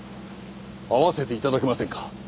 会わせて頂けませんか？